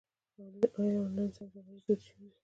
آیا آنلاین سوداګري دود شوې؟